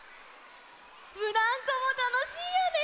ブランコもたのしいよね！